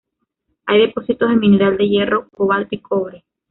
Hay depósitos de mineral de hierro, cobalto y cobre.